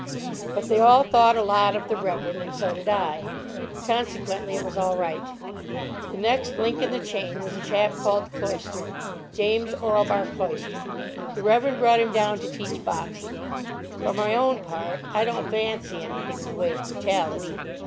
But they all thought a lot of the Reverend, and so did I. Consequently it was all right. The next link in the chain was a chap called Cloyster. James Orlebar Cloyster. The Reverend brought him down to teach boxing. For my own part, I don't fancy anything in the way of brutality.